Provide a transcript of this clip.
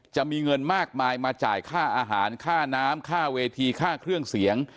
จะมีเงินมากมายมาจ่ายค่าอาหารค่าน้ำค่าเวทีค่าเครื่องเสียง